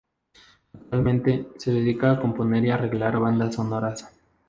Actualmente, se dedica a componer y arreglar bandas sonoras.